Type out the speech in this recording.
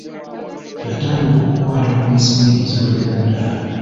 Yatandika okukwata ku nsimbi eziwerera ddala.